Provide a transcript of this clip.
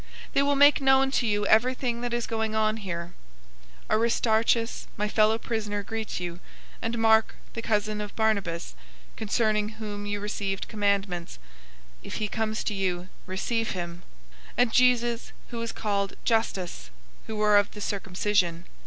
They will make known to you everything that is going on here. 004:010 Aristarchus, my fellow prisoner greets you, and Mark, the cousin of Barnabas (concerning whom you received commandments, "if he comes to you, receive him"), 004:011 and Jesus who is called Justus, who are of the circumcision.